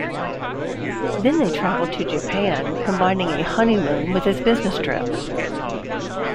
They then traveled to Japan, combining a honeymoon with his business trip.